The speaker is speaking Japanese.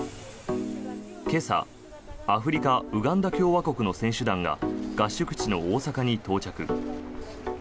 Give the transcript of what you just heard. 今朝アフリカ・ウガンダ共和国の選手団が合宿地の大阪に到着。